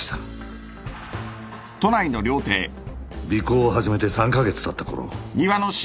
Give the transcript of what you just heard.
尾行を始めて３カ月たったころ。